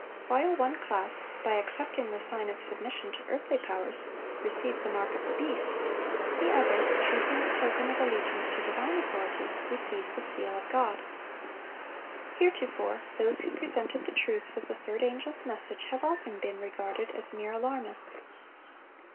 While one class, by accepting the sign of submission to earthly powers, receive the mark of the beast, the other, choosing the token of allegiance to divine authority, receive the seal of God. Heretofore those who presented the truths of the third angel's message have often been regarded as mere alarmists.